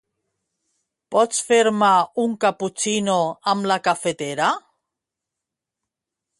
Pots fer-me un caputxino amb la cafetera?